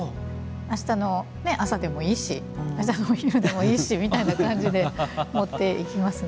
明日の朝でもいいし明日のお昼でもいいしみたいな感じで持っていきますね。